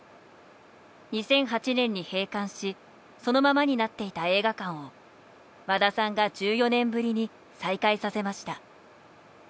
２００８年に閉館しそのままになっていた映画館を和田さんが１４年ぶりに再開させました。